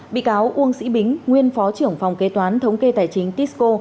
bị cáo uông sĩ bính nguyên phó trưởng phòng kế toán thống kê tài chính tisco